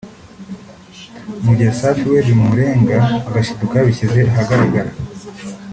mu gihe Safi we bimurenga agashiduka yabishyize ahagaragara